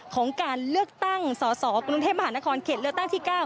ของการเลือกตั้งสสกรุงเทพมหานครเขตเลือกตั้งที่๙